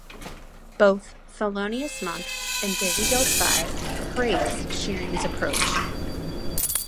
Both Thelonious Monk and Dizzy Gillespie praised Shearing's approach.